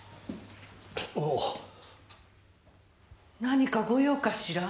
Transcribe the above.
何かご用かしら？